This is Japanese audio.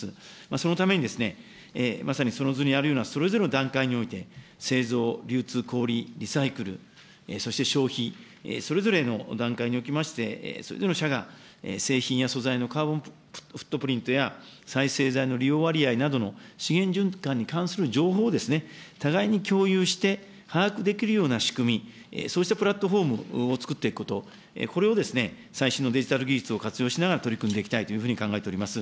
そのために、まさにその図にあるようなそれぞれの段階において、製造、流通、小売り、リサイクル、そして消費、それぞれの段階におきまして、それぞれの社が、製品や素材のカーボンフットプリントや再生材の利用割合などの資源循環に関する情報をですね、互いに共有して把握できるような仕組み、そうしたプラットフォームを作っていくこと、これをですね、最新のデジタル技術を活用しながら、取り組んでいきたいというふうに考えております。